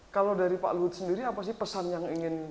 kalau dari pak luhut sendiri apa sih pesan yang ingin